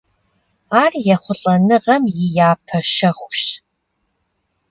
Ар ехъулӀэныгъэм и япэ щэхущ.